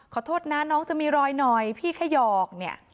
ขอโทษนะน้องจะมีรอยหน่อยพี่แค่หยอกเนี่ย